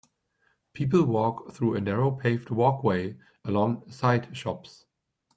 People walk through a narrow paved walkway along side shops.